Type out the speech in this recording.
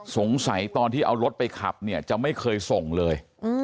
ตอนที่เอารถไปขับเนี่ยจะไม่เคยส่งเลย